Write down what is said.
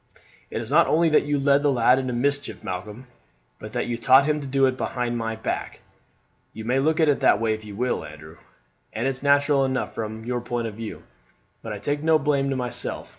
"It is not only that you led the lad into mischief, Malcolm, but that you taught him to do it behind my back." "You may look at it in that way if you will, Andrew, and it's natural enough from your point of view; but I take no blame to myself.